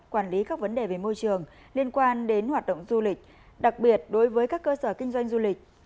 quản lý các vấn đề về môi trường liên quan đến hoạt động du lịch đặc biệt đối với các cơ sở kinh doanh du lịch